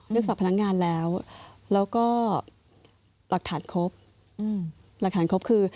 สอบพนักงานแล้วแล้วก็หลักฐานครบหลักฐานครบคือ